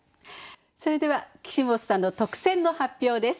それでは岸本さんの特選の発表です。